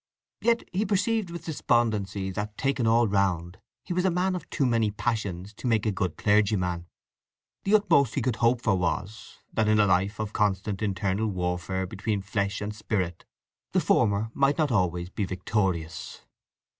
Yet he perceived with despondency that, taken all round, he was a man of too many passions to make a good clergyman; the utmost he could hope for was that in a life of constant internal warfare between flesh and spirit the former might not always be victorious.